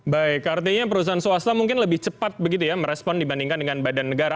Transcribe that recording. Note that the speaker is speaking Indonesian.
baik artinya perusahaan swasta mungkin lebih cepat begitu ya merespon dibandingkan dengan badan negara